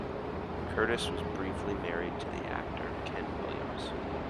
Curtis was briefly married to the actor Kent Williams.